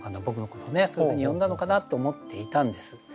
そういうふうに呼んだのかなって思っていたんです。